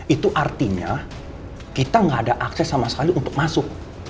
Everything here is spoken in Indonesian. itu artinya kita nggak ada akses sama sekali untuk masuk